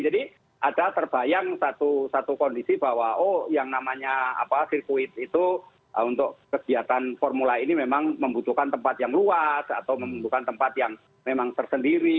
jadi ada terbayang satu kondisi bahwa oh yang namanya sirkuit itu untuk kegiatan formula ini memang membutuhkan tempat yang luas atau membutuhkan tempat yang memang tersendiri